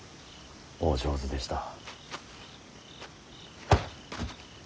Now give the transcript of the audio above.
お上手でした。